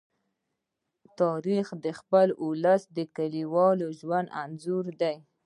تاریخ د خپل ولس د کلیوال ژوند انځور دی.